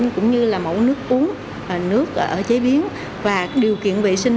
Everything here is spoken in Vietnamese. cũng như là mẫu nước uống nước chế biến và điều kiện vệ sinh